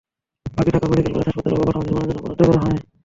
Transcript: বাকি টাকা medical college হাসপাতালের অবকাঠামো নির্মাণের জন্য বরাদ্দ করা হয়।